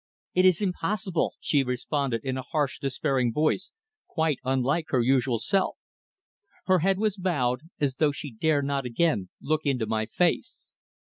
"It is impossible," she responded in a harsh, despairing voice, quite unlike her usual self. Her head was bowed, as though she dare not again look into my face.